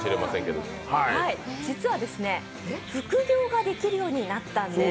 実は副業ができるようになったんです。